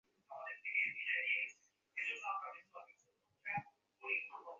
কল্পনার নিভৃত নিকুঞ্জগৃহে ও একেবারেই ছিল একলা।